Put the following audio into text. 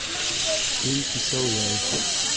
Көн кисәүләй.